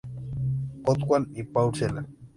Hoffmann y Paul Celan.